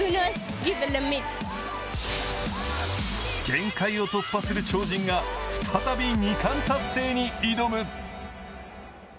限界を突破する超人が再び２冠達成に挑む。